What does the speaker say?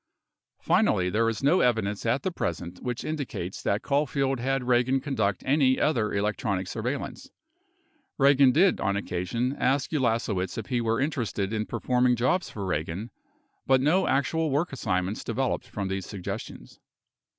28 Finally, there is no evidence at the present which indicates that Caulfield had Eagan conduct any other electronic surveillance. Eagan did, on occasion, ask Ulasewicz if he were interested in performing jobs for Eagan, but no actual work assignments developed from these suggestions.